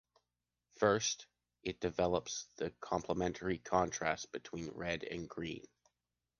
First, it develops the complementary contrast between red and green.